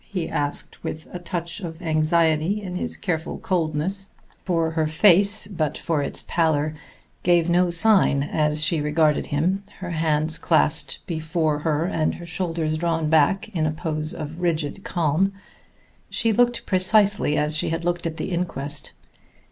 he asked with a touch of anxiety in his careful coldness; for her face, but for its pallor, gave no sign as she regarded him, her hands clasped before her and her shoulders drawn back in a pose of rigid calm. She looked precisely as she had looked at the inquest.